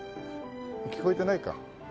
聞こえてないか。